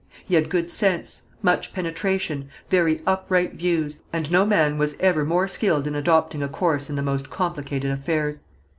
He had good sense, much penetration, very upright views, and no man was ever more skilled in adopting a course in the most complicated affairs.